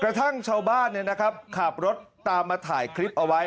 กระทั่งชาวบ้านเนี่ยนะครับขับรถตามมาถ่ายคลิปเอาไว้